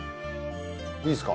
いいっすか？